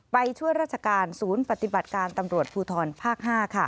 ไปช่วยราชการศูนย์ปฏิบัติการตำรวจภูทรภาค๕